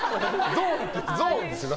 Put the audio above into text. ゾーンですよ。